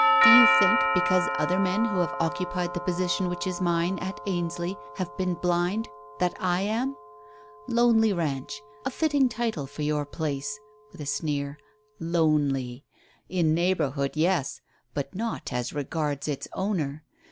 Do you think, because other men who have occupied the position which is mine at Ainsley have been blind, that I am? Lonely Ranch; a fitting title for your place," with a sneer. "Lonely! in neighbourhood, yes, but not as regards its owner.